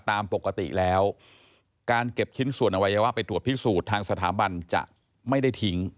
ตามปกติแล้วการเก็บชิ้นส่วนอวัยวะไปตรวจพิสูจน์ทางสถาบันจะไม่ได้ทิ้ง